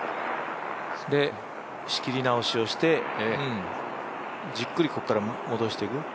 仕切り直しをしてじっくりここから戻していく。